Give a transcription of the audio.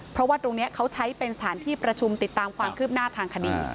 เพราะว่าตรงนี้เขาใช้เป็นสถานที่ประชุมติดตามความคืบหน้าทางคดี